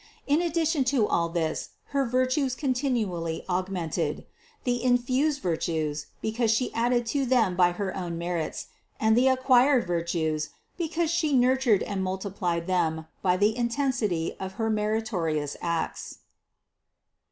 In addition to all this her virtues continually aug mented : the infused virtues, because She added to them by her own merits, and the acquired virtues, because She nur tured and multiplied them by the intensity of her merito rious acts.